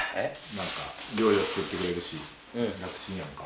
何か料理は作ってくれるし楽ちんやんか。